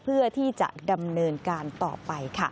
เพื่อที่จะดำเนินการต่อไปค่ะ